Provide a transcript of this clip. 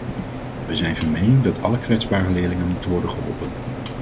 We zijn van mening dat alle kwetsbare leerlingen moeten worden geholpen.